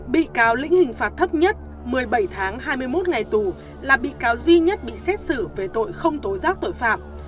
bị cáo lĩnh hình phạt thấp nhất một mươi bảy tháng hai mươi một ngày tù là bị cáo duy nhất bị xét xử về tội không tố giác tội phạm